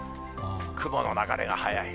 雲の流れが速い。